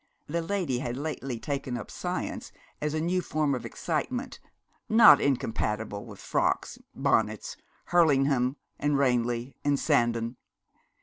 The lady had lately taken up science as a new form of excitement, not incompatible with frocks, bonnets, Hurlingham, the Ranelagh, and Sandown.